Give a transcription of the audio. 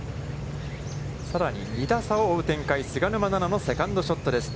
さらに、２打差を追う展開、菅沼菜々のセカンドショットです。